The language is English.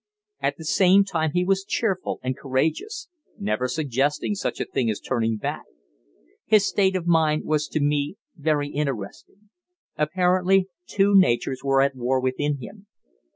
At the same time he was cheerful and courageous, never suggesting such a thing as turning back. His state of mind was to me very interesting. Apparently two natures were at war within him.